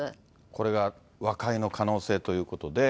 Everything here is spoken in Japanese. これが和解の可能性ということで。